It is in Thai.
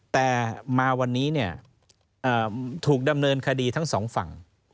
แต่มาวันนี้ถูกดำเนินคดีทั้งสองฝั่ง